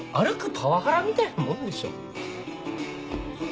パワハラみたいなもんでしょ。